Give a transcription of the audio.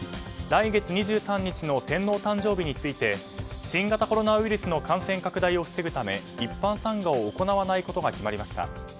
来月２３日の天皇誕生日について新型コロナウイルスの感染拡大を防ぐため一般参賀を行わないことが決まりました。